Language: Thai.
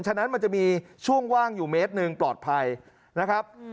ฉะนั้นมันจะมีช่วงว่างอยู่เมตรหนึ่งปลอดภัยนะครับ